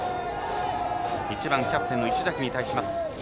１番キャプテンの石崎に対します。